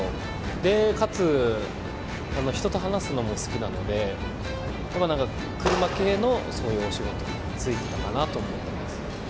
で、かつ人と話すのも好きなので車系のそういうお仕事に就いてたかなと思ってます。